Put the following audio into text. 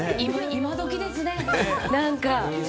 今時ですね、何か。